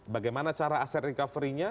bagaimana cara aset recovery nya